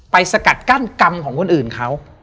สกัดกั้นกรรมของคนอื่นเขา